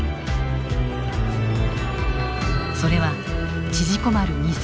それは縮こまる